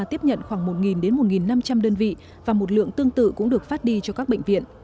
tiếp nhận khoảng một đến một năm trăm linh đơn vị và một lượng tương tự cũng được phát đi cho các bệnh viện